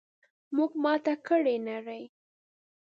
موږ ماته کړه نړۍ!